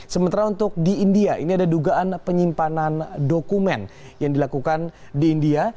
sementara untuk di india ini ada dugaan penyimpanan dokumen yang dilakukan di india